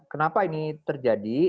kenapa ini terjadi